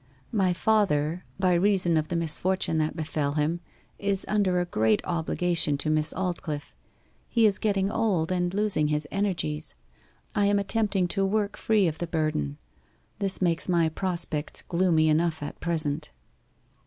My father, by reason of the misfortune that befell him, is under a great obligation to Miss Aldclyffe. He is getting old, and losing his energies. I am attempting to work free of the burden. This makes my prospects gloomy enough at present.